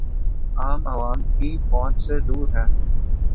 عام عوام کی پہنچ سے دور ہے